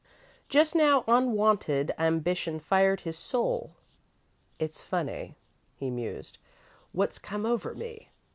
Just now, unwonted ambition fired his soul. "It's funny," he mused, "what's come over me.